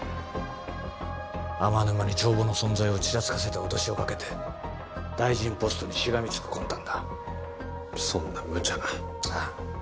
天沼に帳簿の存在をちらつかせて脅しをかけて大臣ポストにしがみつく魂胆だそんなムチャなああ